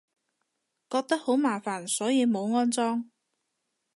覺得好麻煩，所以冇安裝